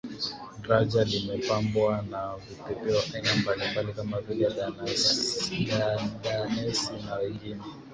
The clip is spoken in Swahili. Draja limepambwa kwa vipepeo aina mbali mbali kama vile Dadanesi na wengine